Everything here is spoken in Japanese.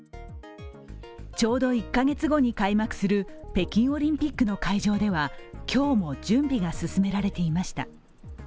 ちょうど１カ月後に開幕する北京オリンピックの会場では今日も準備が進められていました。